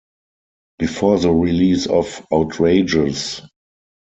Before the release of Outrageous!